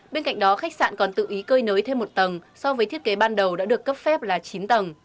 bên cạnh đó khách sạn còn tự ý cơi nới thêm một tầng so với thiết kế ban đầu đã được cấp phép là chín tầng